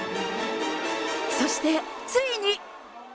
そして、ついに。